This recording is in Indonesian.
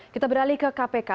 kita beralih ke kpk